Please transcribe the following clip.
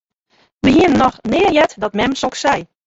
Wy hiene noch nea heard dat mem soks sei.